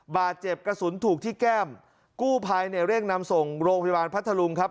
บาดเจ็บกระสุนถูกที่แก้มกู้ภัยเนี่ยเร่งนำส่งโรงพยาบาลพัทธลุงครับ